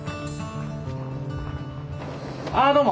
あどうも。